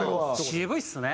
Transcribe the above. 渋いですね